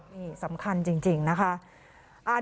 นี่สำคัญจริงนะคะ